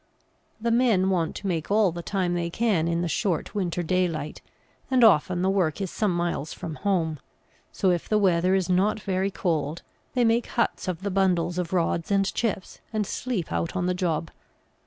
The men want to make all the time they can in the short winter daylight, and often the work is some miles from home, so if the weather is not very cold they make huts of the bundles of rods and chips, and sleep out on the job.